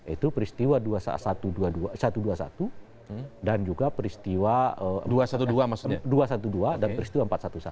itu peristiwa satu ratus dua puluh satu dan juga peristiwa dua ratus dua belas dan peristiwa empat ratus sebelas